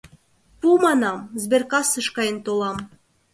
— Пу, манам, сберкассыш каен толам.